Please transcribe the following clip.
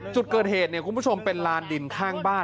จุดเกิดเหตุเนี่ยคุณผู้ชมเป็นลานดินข้างบ้าน